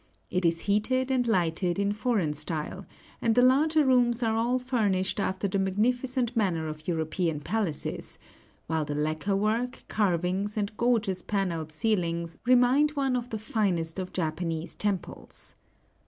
It is heated and lighted in foreign style, and the larger rooms are all furnished after the magnificent manner of European palaces; while the lacquer work, carvings, and gorgeous paneled ceilings remind one of the finest of Japanese temples.